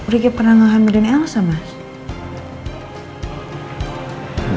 ricky pernah ngehamilin elsa mas